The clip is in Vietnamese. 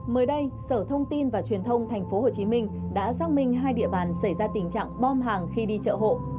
mới đây sở thông tin và truyền thông tp hcm đã xác minh hai địa bàn xảy ra tình trạng bom hàng khi đi chợ hộ